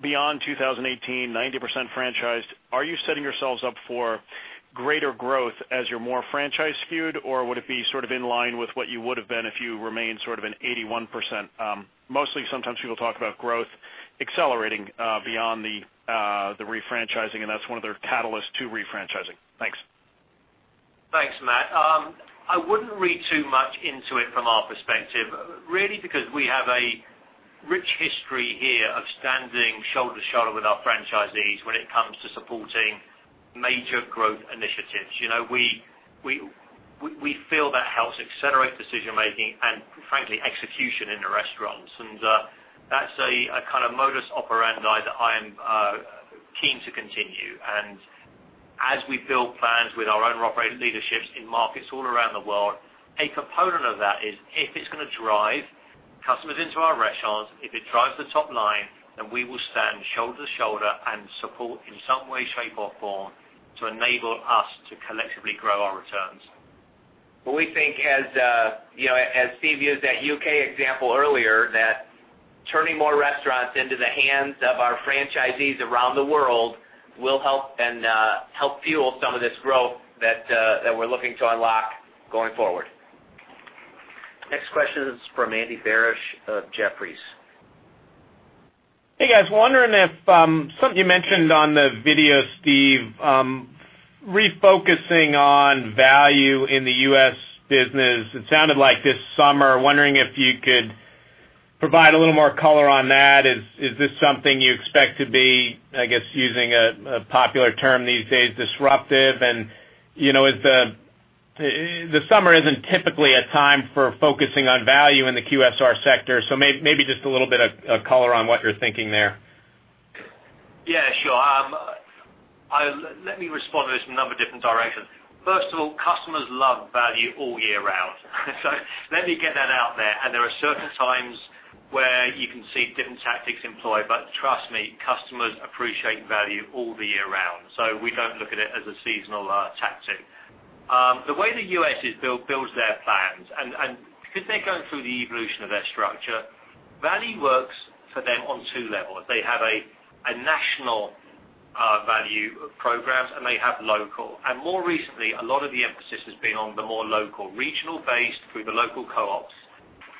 beyond 2018, 90% franchised, are you setting yourselves up for greater growth as you're more franchise skewed, or would it be sort of in line with what you would've been if you remained sort of an 81%? Mostly sometimes people talk about growth accelerating beyond the refranchising, and that's one of their catalysts to refranchising. Thanks. Thanks, Matt. I wouldn't read too much into it from our perspective, really because we have a rich history here of standing shoulder to shoulder with our franchisees when it comes to supporting major growth initiatives. We feel that helps accelerate decision-making and frankly, execution in the restaurants. That's a kind of modus operandi that I am keen to continue. As we build plans with our owner-operated leaderships in markets all around the world, a component of that is if it's going to drive customers into our restaurants, if it drives the top line, then we will stand shoulder to shoulder and support in some way, shape, or form to enable us to collectively grow our returns. We think as Steve used that U.K. example earlier, that turning more restaurants into the hands of our franchisees around the world will help fuel some of this growth that we're looking to unlock going forward. Next question is from Andy Barish of Jefferies. Hey, guys. Wondering if, something you mentioned on the video, Steve, refocusing on value in the U.S. business. It sounded like this summer. Wondering if you could provide a little more color on that. Is this something you expect to be, I guess, using a popular term these days, disruptive? The summer isn't typically a time for focusing on value in the QSR sector, so maybe just a little bit of color on what you're thinking there. Yeah, sure. Let me respond to this from another different direction. First of all, customers love value all year round. Let me get that out there. There are certain times where you can see different tactics employed, but trust me, customers appreciate value all the year round. We don't look at it as a seasonal tactic. The way the U.S. builds their plans, because they're going through the evolution of their structure, value works for them on two levels. They have a national value programs, and they have local. More recently, a lot of the emphasis has been on the more local, regional based through the local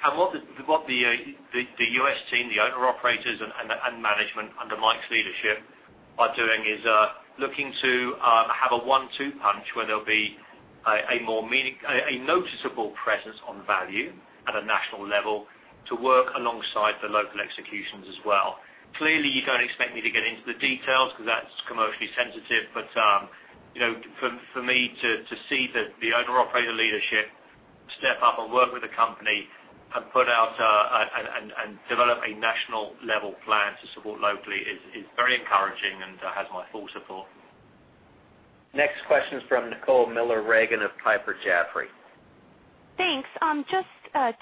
co-ops. What the U.S. team, the owner-operators and management under Mike's leadership are doing is looking to have a one-two punch where there'll be a noticeable presence on value at a national level to work alongside the local executions as well. Clearly, you don't expect me to get into the details because that's commercially sensitive. For me to see the owner-operator leadership step up and work with the company and put out and develop a national level plan to support locally is very encouraging and has my full support. Next question is from Nicole Miller Regan of Piper Jaffray. Thanks. Just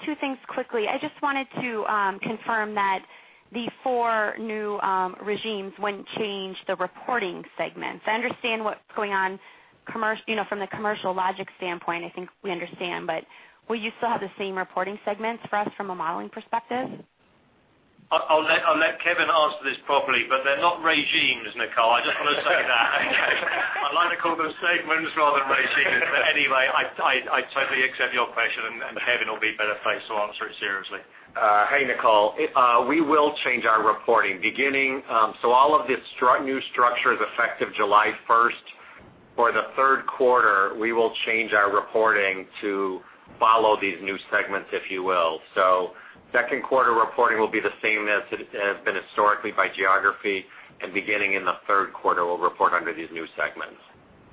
two things quickly. I just wanted to confirm that the four new regimes wouldn't change the reporting segments. I understand what's going on, from the commercial logic standpoint, I think we understand. Will you still have the same reporting segments for us from a modeling perspective? I'll let Kevin answer this properly, but they're not regimes, Nicole. I just want to say that. I like to call them segments rather than regimes. Anyway, I totally accept your question and Kevin will be better placed to answer it seriously. Hey, Nicole. We will change our reporting beginning, all of this new structure is effective July 1st. For the third quarter, we will change our reporting to follow these new segments, if you will. Second quarter reporting will be the same as it has been historically by geography, and beginning in the third quarter, we'll report under these new segments.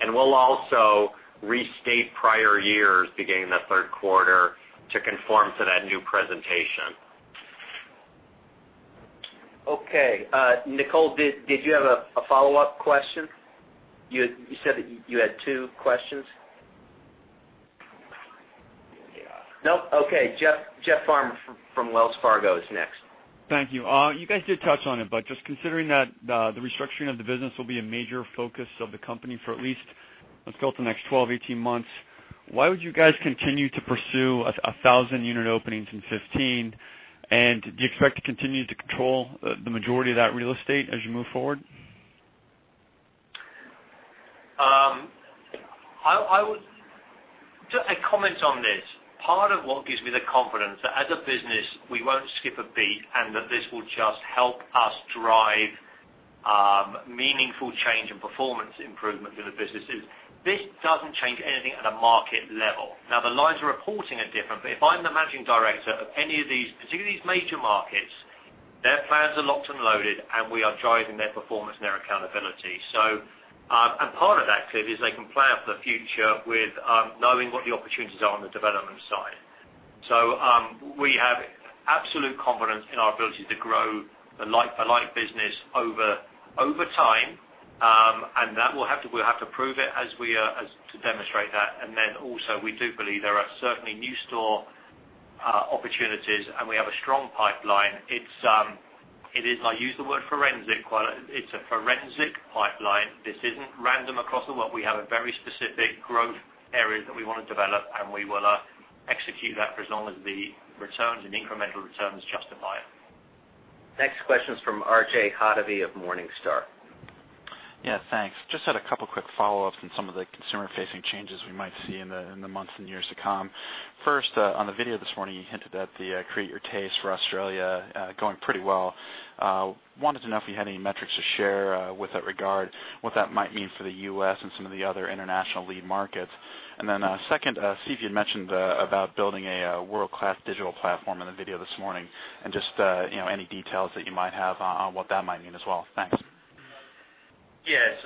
We'll also restate prior years beginning the third quarter to conform to that new presentation. Okay. Nicole, did you have a follow-up question? You said that you had two questions? Nope. Okay. Jeff Farmer from Wells Fargo is next. Thank you. You guys did touch on it, just considering that the restructuring of the business will be a major focus of the company for at least, let's go with the next 12, 18 months, why would you guys continue to pursue 1,000 unit openings in 2015? Do you expect to continue to control the majority of that real estate as you move forward? I would comment on this. Part of what gives me the confidence that as a business, we won't skip a beat, and that this will just help us drive meaningful change and performance improvement in the business is, this doesn't change anything at a market level. The lines of reporting are different, but if I'm the managing director of any of these, particularly these major markets, their plans are locked and loaded, and we are driving their performance and their accountability. Part of that too is they can plan for the future with knowing what the opportunities are on the development side. We have absolute confidence in our ability to grow the like-for-like business over time. That we'll have to prove it to demonstrate that. Also, we do believe there are certainly new store opportunities, and we have a strong pipeline. I use the word forensic. It's a forensic pipeline. This isn't random across the world. We have a very specific growth areas that we want to develop, and we will execute that for as long as the returns and incremental returns justify it. Next question is from R.J. Hottovy of Morningstar. Yeah, thanks. Just had a couple quick follow-ups on some of the consumer-facing changes we might see in the months and years to come. First, on the video this morning, you hinted at the Create Your Taste for Australia going pretty well. Wanted to know if you had any metrics to share with that regard, what that might mean for the U.S. and some of the other international lead markets. Second, Steve, you had mentioned about building a world-class digital platform in the video this morning, and just any details that you might have on what that might mean as well. Thanks. Yes.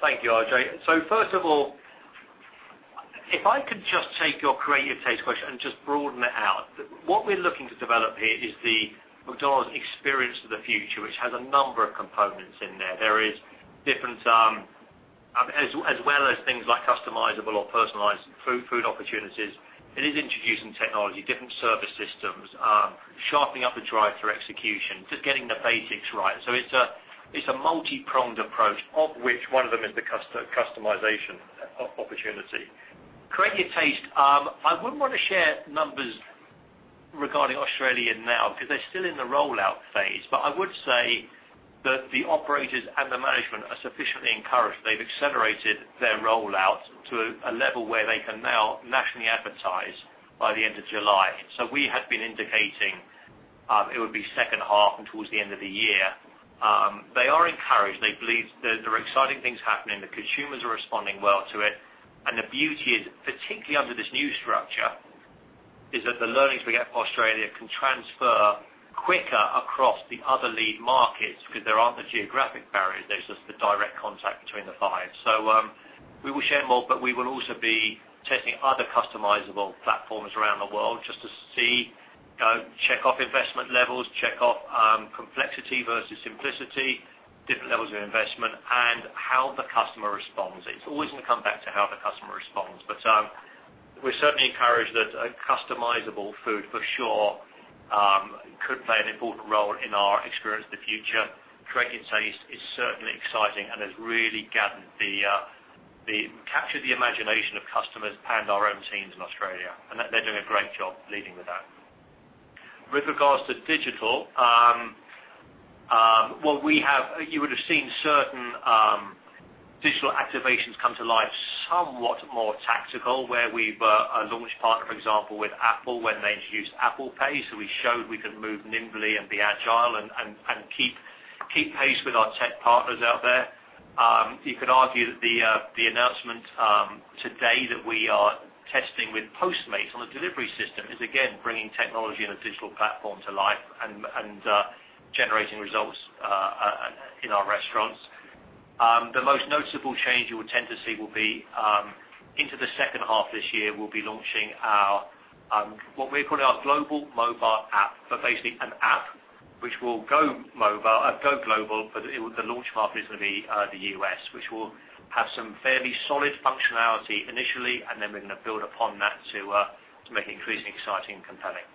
Thank you, R.J. First of all, if I could just take your Create Your Taste question and just broaden it out. What we're looking to develop here is the McDonald's experience of the future, which has a number of components in there. There is different, as well as things like customizable or personalized food opportunities. It is introducing technology, different service systems, sharpening up the drive-thru execution, just getting the basics right. It's a multi-pronged approach, of which one of them is the customization opportunity. Create Your Taste. I wouldn't want to share numbers regarding Australia now, because they're still in the rollout phase. I would say that the operators and the management are sufficiently encouraged. They've accelerated their rollout to a level where they can now nationally advertise by the end of July. We had been indicating it would be second half and towards the end of the year. They are encouraged. They believe there are exciting things happening. The consumers are responding well to it. The beauty is, particularly under this new structure, is that the learnings we get from Australia can transfer quicker across the other lead markets because there aren't the geographic barriers. There's just the direct contact between the five. We will share more, but we will also be testing other customizable platforms around the world just to see, check off investment levels, check off complexity versus simplicity, different levels of investment, and how the customer responds. It's always going to come back to how the customer responds. We're certainly encouraged that customizable food for sure could play an important role in our experience of the future. Create Your Taste is certainly exciting and has really captured the imagination of customers and our own teams in Australia. They're doing a great job leading with that. With regards to digital, what we have, you would've seen certain digital activations come to life, somewhat more tactical, where we've launched partner, for example, with Apple when they introduced Apple Pay. We showed we can move nimbly and be agile and keep pace with our tech partners out there. You could argue that the announcement today that we are testing with Postmates on the delivery system is again bringing technology and a digital platform to life and generating results in our restaurants. The most noticeable change you would tend to see will be into the second half this year, we'll be launching what we are calling our global mobile app. Basically an app which will go global, but the launch market is going to be the U.S., which will have some fairly solid functionality initially, and then we're going to build upon that to make it increasingly exciting and compelling.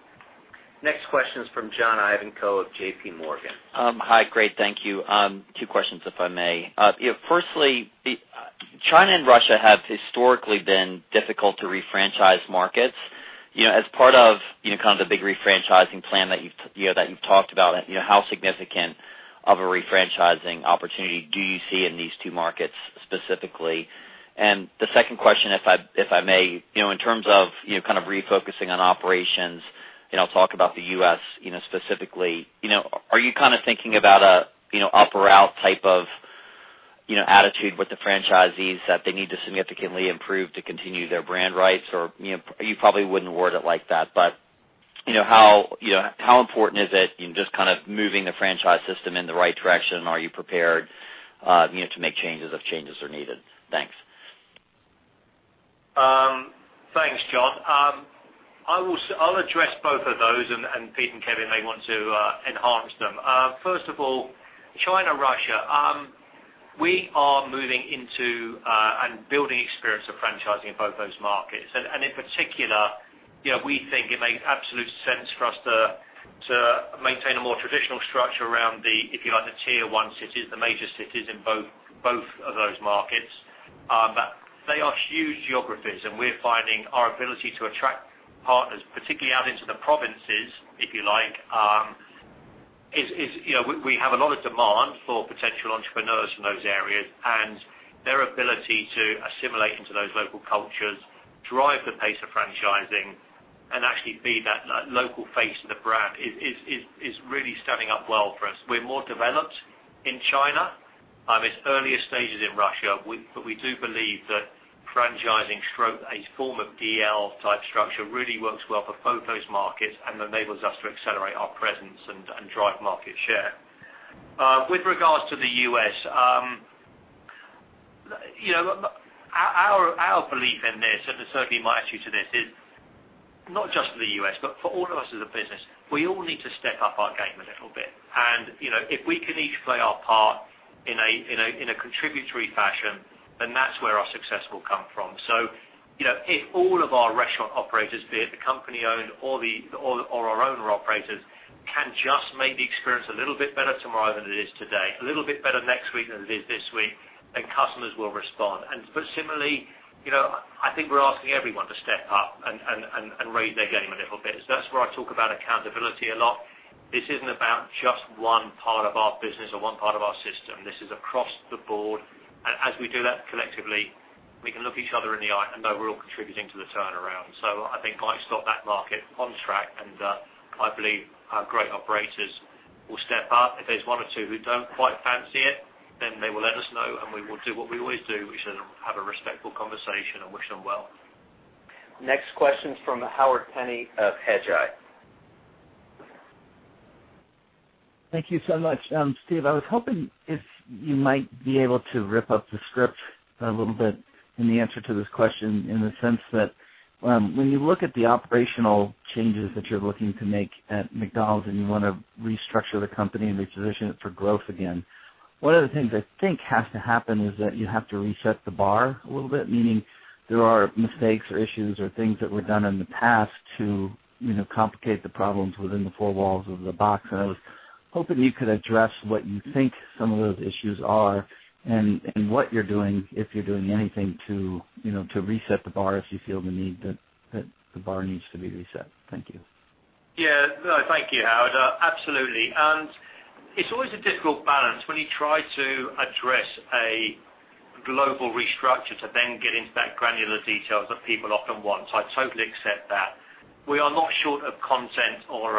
Next question is from John Ivankoe of J.P. Morgan. Hi. Great, thank you. Two questions if I may. Firstly, China and Russia have historically been difficult to refranchise markets. As part of, the big refranchising plan that you've talked about, how significant of a refranchising opportunity do you see in these two markets specifically? The second question, if I may. In terms of refocusing on operations, talk about the U.S. specifically. Are you thinking about an up or out type of attitude with the franchisees that they need to significantly improve to continue their brand rights? You probably wouldn't word it like that, but how important is it in just moving the franchise system in the right direction? Are you prepared to make changes if changes are needed? Thanks. Thanks, John. I'll address both of those, and Pete and Kevin may want to enhance them. First of all, China, Russia. We are moving into, and building experience of franchising in both those markets. In particular, we think it makes absolute sense for us to maintain a more traditional structure around the, if you like, the tier 1 cities, the major cities in both of those markets. They are huge geographies, and we're finding our ability to attract partners, particularly out into the provinces, if you like, we have a lot of demand for potential entrepreneurs from those areas and their ability to assimilate into those local cultures, drive the pace of franchising and actually be that local face of the brand, is really standing up well for us. We're more developed in China. It's earliest stages in Russia, we do believe that franchising, a form of DL type structure, really works well for both those markets and enables us to accelerate our presence and drive market share. With regards to the U.S., our belief in this, and certainly my attitude to this is, not just for the U.S., but for all of us as a business, we all need to step up our game a little bit. If we can each play our part in a contributory fashion, then that's where our success will come from. If all of our restaurant operators, be it the company-owned or our owner operators, can just make the experience a little bit better tomorrow than it is today, a little bit better next week than it is this week, then customers will respond. Similarly, I think we're asking everyone to step up and raise their game a little bit. That's where I talk about accountability a lot. This isn't about just one part of our business or one part of our system. This is across the board. As we do that collectively, we can look each other in the eye and know we're all contributing to the turnaround. I think Mike's got that market on track, and I believe our great operators will step up. If there's one or two who don't quite fancy it, then they will let us know and we will do what we always do, which is have a respectful conversation and wish them well. Next question from Howard Penney of Hedgeye. Thank you so much. Steve, I was hoping if you might be able to rip up the script a little bit in the answer to this question, in the sense that, when you look at the operational changes that you're looking to make at McDonald's and you want to restructure the company and reposition it for growth again, one of the things I think has to happen is that you have to reset the bar a little bit. Meaning there are mistakes or issues or things that were done in the past to complicate the problems within the four walls of the box. I was hoping you could address what you think some of those issues are and what you're doing, if you're doing anything, to reset the bar if you feel the need that the bar needs to be reset. Thank you. Yeah. No, thank you, Howard. Absolutely. It's always a difficult balance when you try to address a global restructure to then get into that granular details that people often want. I totally accept that. We are not short of content or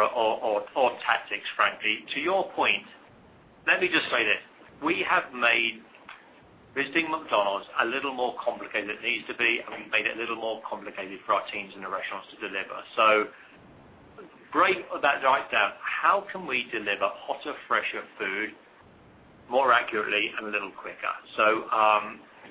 tactics, frankly. To your point, let me just say this, we have made visiting McDonald's a little more complicated than it needs to be, and we've made it a little more complicated for our teams in the restaurants to deliver. Break that right down. How can we deliver hotter, fresher food more accurately and a little quicker?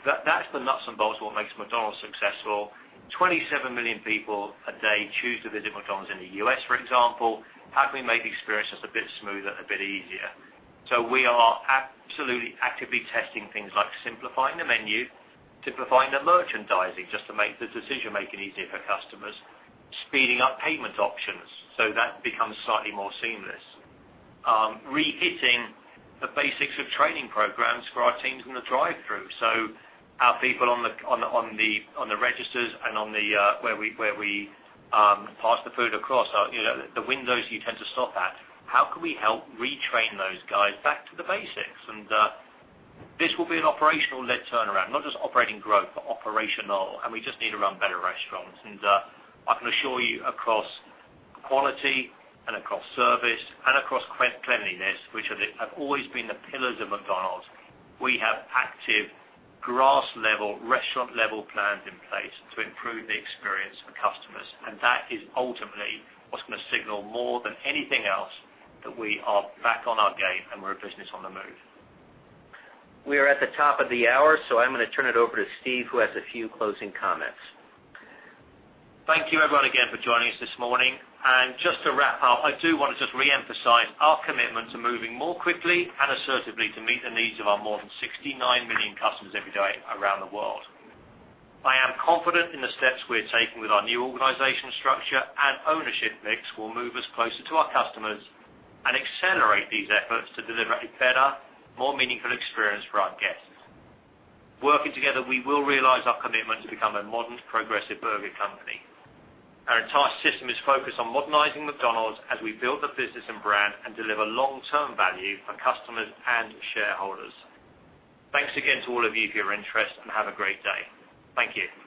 That's the nuts and bolts of what makes McDonald's successful. 27 million people a day choose to visit McDonald's in the U.S., for example. How can we make the experience just a bit smoother and a bit easier? We are absolutely actively testing things like simplifying the menu, simplifying the merchandising, just to make the decision-making easier for customers. Speeding up payment options so that becomes slightly more seamless. Re-hitting the basics of training programs for our teams in the drive-through. Our people on the registers and where we pass the food across, the windows you tend to stop at. How can we help retrain those guys back to the basics? This will be an operational led turnaround, not just operating growth, but operational. We just need to run better restaurants. I can assure you across quality and across service and across cleanliness, which have always been the pillars of McDonald's, we have active grass level, restaurant level plans in place to improve the experience for customers. That is ultimately what's going to signal more than anything else, that we are back on our game and we're a business on the move. We are at the top of the hour, I'm going to turn it over to Steve, who has a few closing comments. Thank you everyone again for joining us this morning. Just to wrap up, I do want to just reemphasize our commitment to moving more quickly and assertively to meet the needs of our more than 69 million customers every day around the world. I am confident in the steps we're taking with our new organizational structure and ownership mix will move us closer to our customers and accelerate these efforts to deliver a better, more meaningful experience for our guests. Working together, we will realize our commitment to become a modern, progressive burger company. Our entire system is focused on modernizing McDonald's as we build the business and brand and deliver long-term value for customers and shareholders. Thanks again to all of you for your interest, have a great day. Thank you.